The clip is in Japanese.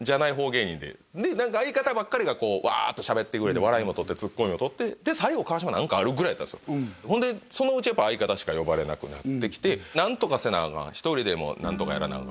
芸人でで相方ばっかりがワーッとしゃべってくれて笑いもとってツッコミもとってで最後「川島何かある？」ぐらいやったほんでそのうち相方しか呼ばれなくなってきて何とかせなあかん１人でも何とかやらなあ